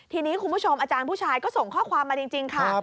ทีนี้คุณผู้ชมอาจารย์ผู้ชายก็ส่งข้อความมาจริงค่ะ